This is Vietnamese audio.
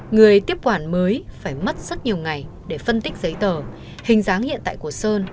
người tiếp quản mới phải mất rất nhiều ngày để phân tích giấy tờ hình dáng hiện tại của sơn